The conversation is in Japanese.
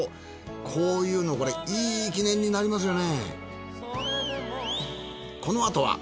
こういうのこれいい記念になりますよね。